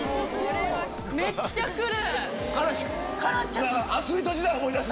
めっちゃくる！